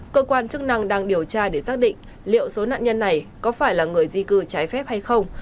cơ quan chức năng đang điều tra để xác định liệu số nạn nhân này có phải là người di cư trái phép hay không